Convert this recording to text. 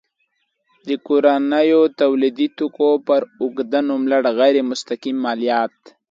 د کورنیو تولیدي توکو پر اوږده نوملړ غیر مستقیم مالیات.